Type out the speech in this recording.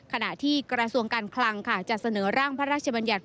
ขณะที่กระทรวงการคลังค่ะจะเสนอร่างพระราชบัญญัติ